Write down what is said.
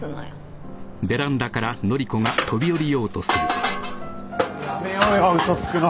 もうやめようよ嘘つくの。